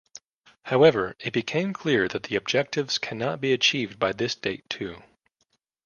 However, it became clear that the objectives cannot be achieved by this date too.